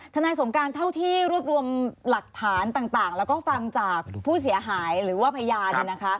นายสงการเท่าที่รวบรวมหลักฐานต่างแล้วก็ฟังจากผู้เสียหายหรือว่าพยาน